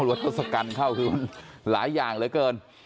รถกรัมเข้าคือกรรมหลายอย่างเพราะเกิน